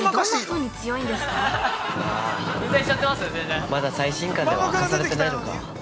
◆あー、まだ最新刊では明かされてないのか。